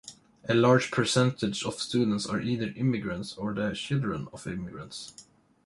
A large percentage of students are either immigrants or the children of immigrants.